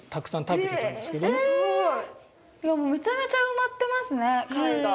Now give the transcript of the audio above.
めちゃめちゃ埋まってますね貝が。